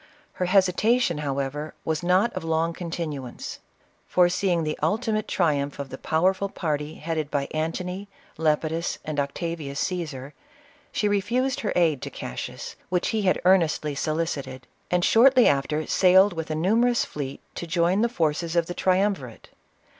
Her hesitation, however, was not of frng continuance. Foreseeing the ultimate triumph of the powerful party headed by Antony, Lepidus, and Octavius Caesar, she refused her aid to Cassius, which he had earnestly so licited, and shortly after sailed with a numerous fleet to join the forces of the Triumvirate.